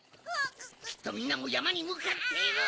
きっとみんなもやまにむかっている！